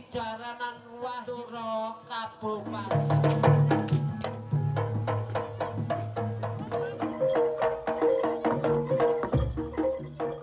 jaranan wahduro kapupas